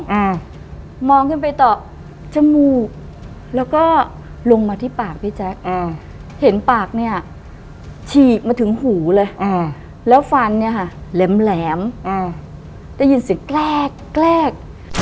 อ่ามองขึ้นไปต่อจมูกแล้วก็ลงมาที่ปากพี่แจ๊คอ่าเห็นปากเนี้ยฉีกมาถึงหูเลยอ่าแล้วฟันเนี้ยค่ะแหลมแหลมอ่าได้ยินเสียงแกล้งแกล้ง